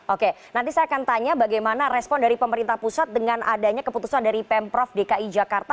oke nanti saya akan tanya bagaimana respon dari pemerintah pusat dengan adanya keputusan dari pemprov dki jakarta